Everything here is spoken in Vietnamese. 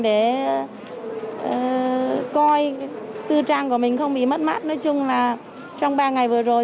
để coi tư trang của mình không bị mất mát nói chung là trong ba ngày vừa rồi